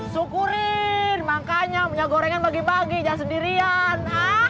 sukurin makanya punya gorengan pagi pagi jangan sendirian